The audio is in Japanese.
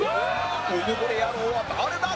うぬぼれ野郎は誰だ？